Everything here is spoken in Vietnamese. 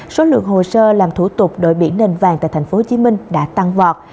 số lượng hồ sơ làm thủ tục đội biển nền vàng tại tp hcm đã tăng vọt